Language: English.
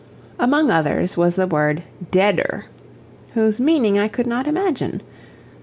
Among others was the word "deader," whose meaning I could not imagine.